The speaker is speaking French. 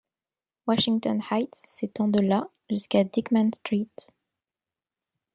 Washington Heights s'étend de la jusqu'à Dyckman Street.